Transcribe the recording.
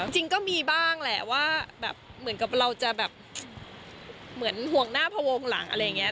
จริงก็มีบ้างแหละว่าแบบเหมือนกับเราจะแบบเหมือนห่วงหน้าพวงหลังอะไรอย่างนี้